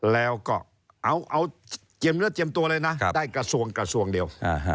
แล้วก็เจ็มตัวเลยนะได้กระทรวงกระทรวงเดียว